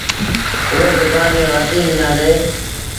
اُئي زبآن ميݩ ورنديٚ ڏنآندي۔